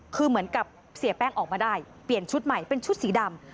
คือเหมือนกับเสียแป้งออกมาได้เปลี่ยนชุดใหม่เป็นชุดสีดำ